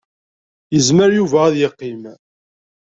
Yezmer Yuba ad yeqqim.